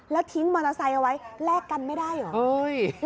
แล้วทิ้งมอเตอร์ไซค์เอาไว้แลกกันไม่ได้เหรอ